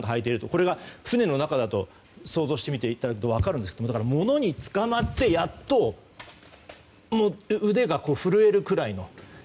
これが船の中だと想像してみていただくと分かりますが物につかまって、やっと腕が震えるくらいの。